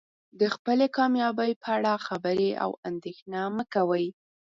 د خپلې کامیابۍ په اړه خبرې او اندیښنه مه کوئ.